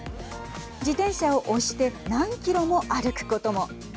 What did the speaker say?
自転車を押して何キロも歩くことも。